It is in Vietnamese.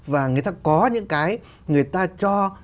và người ta có những cái người ta cho